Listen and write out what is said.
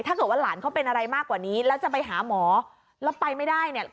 ถ้าเกิดว่าหลานเขาเป็นอะไรมากกว่านี้แล้วจะไปหาหมอแล้วไปไม่ได้เนี่ย